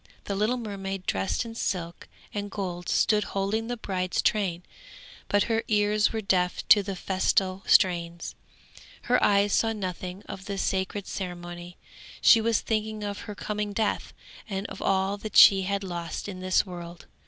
The little mermaid dressed in silk and gold stood holding the bride's train, but her ears were deaf to the festal strains, her eyes saw nothing of the sacred ceremony; she was thinking of her coming death and of all that she had lost in this world.